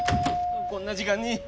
こんな時間に。